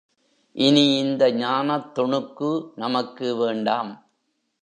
இனி, இந்த ஞானத்துணுக்கு நமக்கு வேண்டாம்.